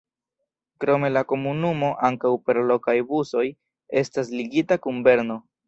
Krome la komunumo ankaŭ per lokaj busoj estas ligita kun Berno.